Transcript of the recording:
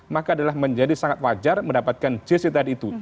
maka adalah menjadi sangat wajar mendapatkan jc tadi itu